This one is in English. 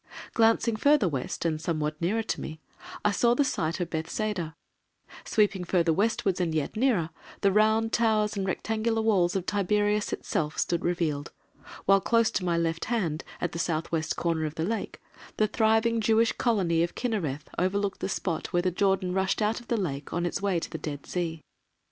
Glancing further west, and somewhat nearer to me, I saw the site of Bethsaida; sweeping further westward and yet nearer, the round towers and rectangular walls of Tiberias itself stood revealed, while close to my left hand, at the south west corner of the Lake, the thriving Jewish colony of Kinnereth overlooked the spot where the Jordan rushed out of the Lake on its way to the Dead Sea.